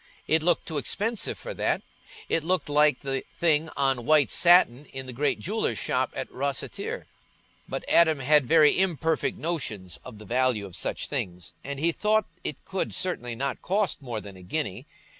It looked too expensive for that—it looked like the things on white satin in the great jeweller's shop at Rosseter. But Adam had very imperfect notions of the value of such things, and he thought it could certainly not cost more than a guinea.